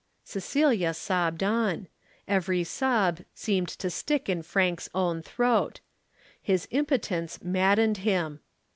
Cecilia sobbed on. Every sob seemed to stick in Frank's own throat. His impotence maddened him.